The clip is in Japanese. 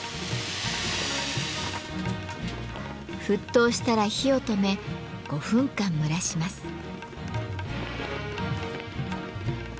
沸騰したら火を止め５分間蒸らします。